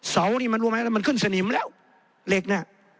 เสานี่มันรู้ไหมแล้วมันขึ้นสนิมแล้วเหล็กเนี่ย